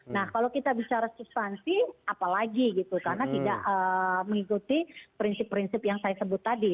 nah kalau kita bicara substansi apalagi gitu karena tidak mengikuti prinsip prinsip yang saya sebut tadi